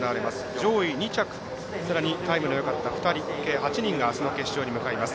上位２着さらにタイムのよかった２人計８人があすの決勝に向かいます。